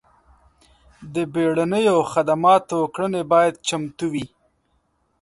د بیړنیو خدماتو کړنې باید چمتو وي.